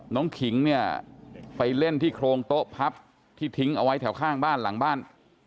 ขิงเนี่ยไปเล่นที่โครงโต๊ะพับที่ทิ้งเอาไว้แถวข้างบ้านหลังบ้าน